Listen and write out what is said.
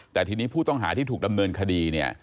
แต่ทีนี้ผู้ต้องหาที่ถูกดำเนินคดีเนี่ย